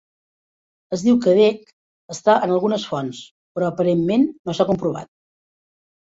Es diu que Dek està en algunes fonts, però aparentment no s'ha comprovat.